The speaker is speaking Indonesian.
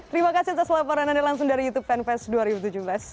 terima kasih atas laporan anda langsung dari youtube fanfest dua ribu tujuh belas